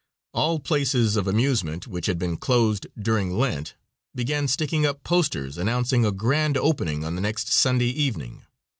All places of amusement, which had been closed during Lent, began sticking up posters announcing a grand opening on the next (Sunday) evening.